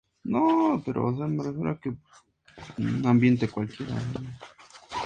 Se utilizaban principalmente para fines militares, documentales o científicos.